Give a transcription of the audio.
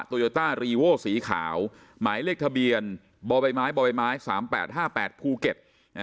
ตัวโยต้ารีโว้สีขาวหมายเลขทะเบียนบบสามแปดห้าแปดภูเก็ต